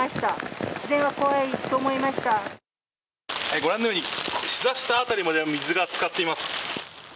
ご覧のように膝下辺りまで水がつかっています。